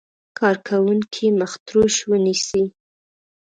کارکوونکی مخ تروش ونیسي.